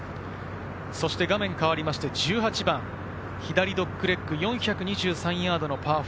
画面変わって１８番、左ドッグレッグ、４２３ヤードのパー４。